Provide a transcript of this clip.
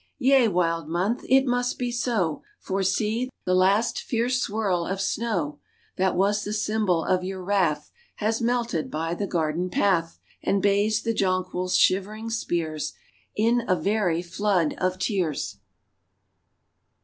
Yea, wild month — It must be so ! For see — ^the last fierce swirl of snow That was the symbol of your wrath. Has melted by the garden path. And bathes the jonquils' shivering spears In a very flood of tears